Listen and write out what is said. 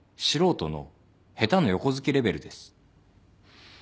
素人の下手の横好きレベルです。